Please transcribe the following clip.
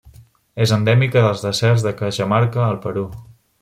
És endèmica dels deserts de Cajamarca al Perú.